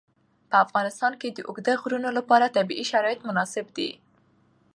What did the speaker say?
په افغانستان کې د اوږده غرونه لپاره طبیعي شرایط مناسب دي.